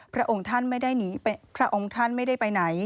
พระองค์ท่านไม่ได้ไปไหน